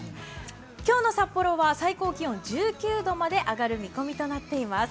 今日の札幌は最高気温１９度まで上がる見込みとなっています。